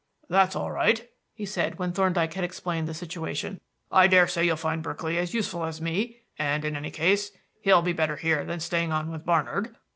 "That's all right," he said when Thorndyke had explained the situation. "I daresay you'll find Berkeley as useful as me, and, in any case, he'll be better here than staying on with Barnard."